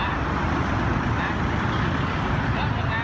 แล้วก็กลับมาแล้วก็กลับมาแล้วก็กลับมา